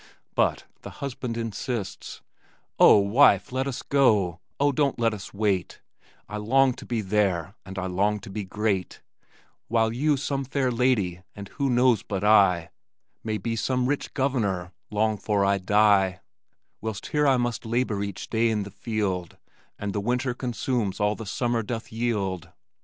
_ But the husband insists: Oh, wife, let us go; Oh, don't let us wait; I long to be there, and I long to be great, While you some fair lady and who knows but I May be some rich governor long 'fore I die, Whilst here I must labor each day in the field, And the winter consumes all the summer doth yield.